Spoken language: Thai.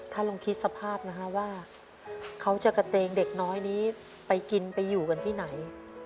ลองคิดสภาพนะฮะว่าเขาจะกระเตงเด็กน้อยนี้ไปกินไปอยู่กันที่ไหน